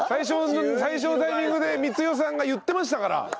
最初のタイミングで光代さんが言ってましたから。